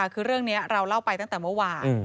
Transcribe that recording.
คือเรื่องนี้เราเล่าไปตั้งแต่เมื่อวาน